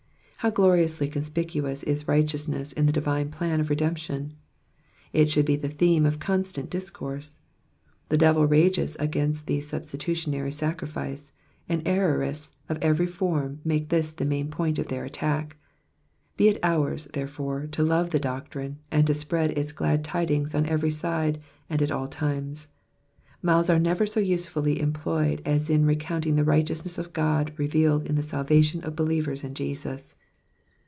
How gloriously conspicuous is righteousness in the divine plan of redemption ! It should be the theme of constant discourse. The devil rages against the substitutionary sacrifice, and errorists of every form make this the main point of their attack ; be it ours, therefoie, to love the doctrine, and to spreaa its glad tidings on every side, and at nil times. Mouths are never so usefully employed as in recounting the righteousness of God revealed in the salvation of believers in Jesus.